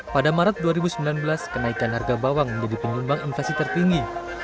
pada maret dua ribu sembilan belas kenaikan harga bawang menjadi penyumbang inflasi tertinggi